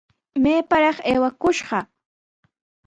¡Mayparaq aywakushqa!